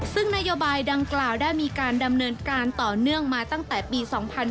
ซึ่งนโยบายดังกล่าวได้มีการดำเนินการต่อเนื่องมาตั้งแต่ปี๒๕๕๙